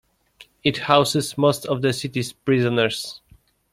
It houses most of the city's prisoners.